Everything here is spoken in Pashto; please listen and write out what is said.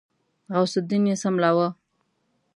غوث الدين يې څملاوه.